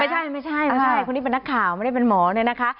ไม่ใช่ไม่ใช่คนนี้เป็นนักข่าวไม่ได้เป็นหมอเนี่ยนะคะ